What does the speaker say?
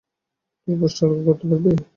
তোর পাশটা আলগা করতে পারবি?